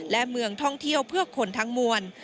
และเมืองท่องเที่ยวเพื่อคนทั้งมวล